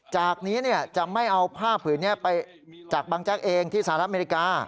จากนี้จะไม่เอาผ้าผืนนี้ไปจากบางแจ๊กเองที่สหรัฐอเมริกา